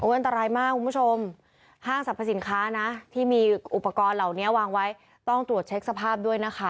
อันตรายมากคุณผู้ชมห้างสรรพสินค้านะที่มีอุปกรณ์เหล่านี้วางไว้ต้องตรวจเช็คสภาพด้วยนะคะ